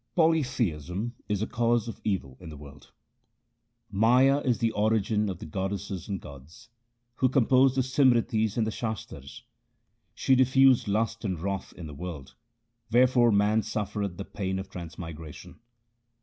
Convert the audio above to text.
Polytheism is a cause of evil in the world :— Maya is the origin of the goddesses and gods Who composed the Simritis and the Shastars. She diffused lust and wrath in the world, wherefore man suffereth the pain of transmigration.